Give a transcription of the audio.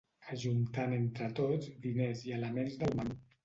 Ajuntant entre tots diners i elements del menú.